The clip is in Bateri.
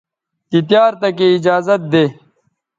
تی تیار تکے ایجازت دے